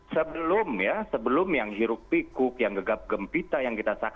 sebelum ya sebelum yang hirup pikuk yang gegap gempita yang kita saksikan